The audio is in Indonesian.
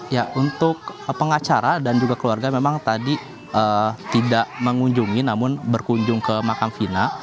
ya untuk pengacara dan juga keluarga memang tadi tidak mengunjungi namun berkunjung ke makam fina